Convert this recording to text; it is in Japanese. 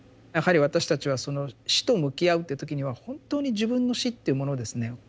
やはり私たちはその死と向き合うっていう時には本当に自分の死っていうものをですね